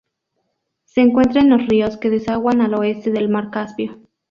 Se encuentra en los ríos que desaguan al oeste del mar Caspio.